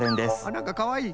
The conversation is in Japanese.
なんかかわいい。